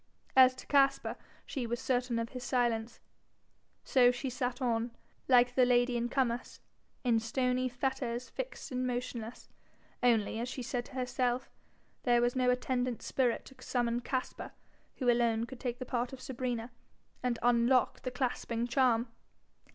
As to Caspar, she was certain of his silence. So she sat on, like the lady in Comus, 'in stony fetters fixed and motionless;' only, as she said to herself, there was no attendant spirit to summon Caspar, who alone could take the part of Sabrina, and 'unlock the clasping charm.'